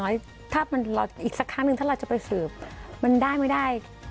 อย่างน้อยอีกสักครั้งหนึ่งถ้าเราจะไปเสิร์ฟมันได้ไม่ได้